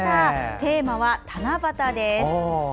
テーマは七夕です。